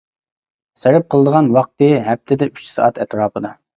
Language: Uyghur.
سەرپ قىلىدىغان ۋاقتى: ھەپتىدە ئۈچ سائەت ئەتراپىدا.